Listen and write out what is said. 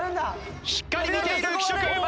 しっかり見ている浮所君。